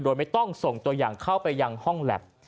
โดยไม่ต้องส่งตัวอย่างเข้าไปยังห้องแล็บ